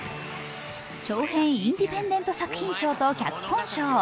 長編インディペンデント作品賞と脚本賞。